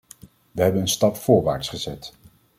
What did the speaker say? We hebben een stap voorwaarts gezet.